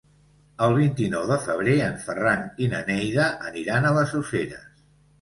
El vint-i-nou de febrer en Ferran i na Neida aniran a les Useres.